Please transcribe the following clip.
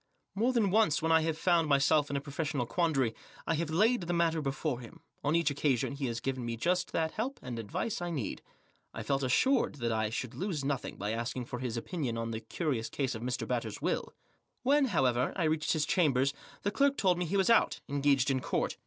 More than once when I have found my self in a professional quandary I have laid the matter before him ; on each occasion he has given me just that help and advice I needed. I felt assured that I should lose nothing by Asking for his opinion oft the fctiriotts tase of Mr, Batters' will. When* however* I reached his chamber the clerk told tm he was out> engaged in court.